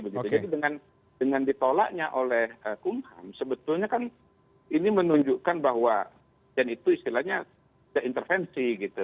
begitu jadi dengan ditolaknya oleh kumham sebetulnya kan ini menunjukkan bahwa yang itu istilahnya intervensi gitu